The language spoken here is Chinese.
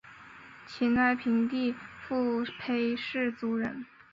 秦哀平帝苻丕氐族人。